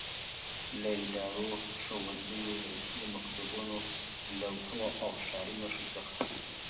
له ادارو، ښوونځیو، رسمي مکتوبونو، لوحو او ښاري نښو څخه